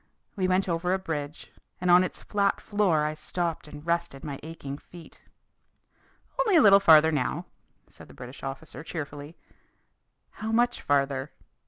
We went over a bridge, and on its flat floor I stopped and rested my aching feet. "Only a little farther now," said the British officer cheerfully. "How much farther?"